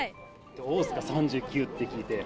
どうですか、３９って聞いて。